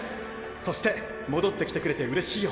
そして戻ってきてくれて嬉しいよ